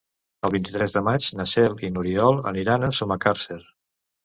El vint-i-tres de maig na Cel i n'Oriol aniran a Sumacàrcer.